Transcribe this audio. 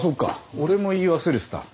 俺も言い忘れてた。